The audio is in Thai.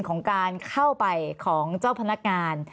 ของการเข้าไปของเจ้าพนักงาน